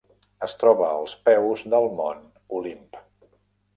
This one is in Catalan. Es troba als peus del mont Olimp.